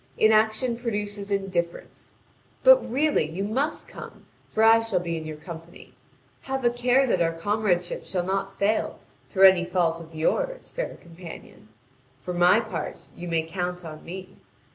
Inaction produces indifference. But, really, you must come, for I shall be in your company. Have a care that our comradeship shall not fail through any fault of yours, fair companion; for my part, you may count on me.